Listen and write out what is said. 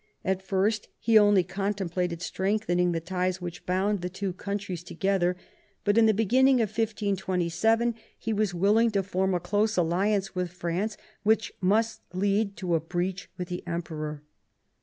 At first he only contemplated strengthening the ties which bound the two countries 122 THOMAS WOLSEY chap, vii together; but in the beginning of 1527 he was willing to form a close alliance with France, which must lead to a breach with the Emperor.